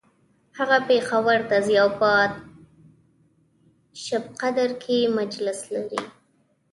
هغه پیښور ته ځي او په شبقدر کی مجلس لري